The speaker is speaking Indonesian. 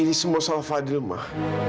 ini semua salah fadil mak